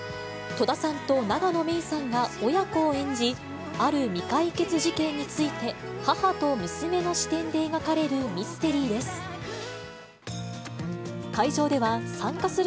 戸田さんと永野芽郁さんが親子を演じ、ある未解決事件について母と娘の視点で描かれるミステリーです。